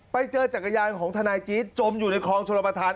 ไปเจอจักรยานของทนายจี๊ดจมอยู่ในคลองชลประธาน